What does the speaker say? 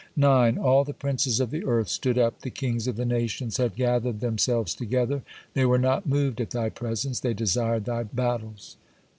9. All the princes of the earth stood up, the kings of the nations had gathered themselves together, they were not moved at Thy presence, they desired Thy battles.